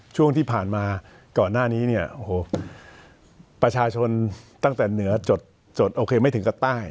ช่วงที่ผ่านมาก่อนหน้านี้เนี่ยโอ้โหประชาชนตั้งแต่เหนือจดโอเคไม่ถึงกับใต้